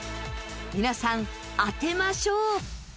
皆さん当てましょう。